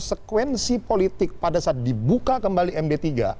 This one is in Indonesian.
konsekuensi politik pada saat dibuka kembali md tiga